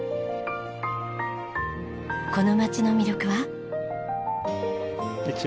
この街の魅力は？